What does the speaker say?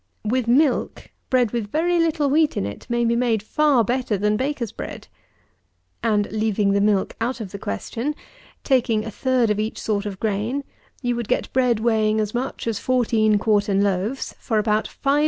With milk, bread with very little wheat in it may be made far better than baker's bread; and, leaving the milk out of the question, taking a third of each sort of grain, you would get bread weighing as much as fourteen quartern loaves, for about 5_s.